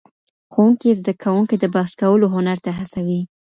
ښوونکی زدهکوونکي د بحث کولو هنر ته هڅوي.